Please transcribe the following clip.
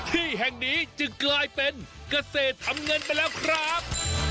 ที่แห่งนี้จึงกลายเป็นเกษตรทำเงินไปแล้วครับ